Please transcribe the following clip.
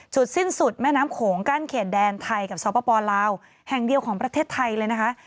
สิ้นสุดแม่น้ำโขงกั้นเขตแดนไทยกับสปลาวแห่งเดียวของประเทศไทยเลยนะคะ